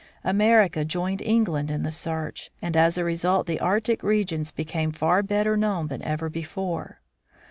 America joined England in the search, and as a result the Arctic regions became far better known than ever before.